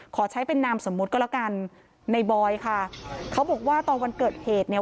ขอใช้เป็นนามสมมุติก็แล้วกันในบอยค่ะเขาบอกว่าตอนวันเกิดเหตุเนี่ย